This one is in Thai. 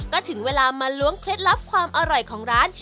ก็ถึงเวลามาล้วงเคล็ดลับความอร่อยของร้าน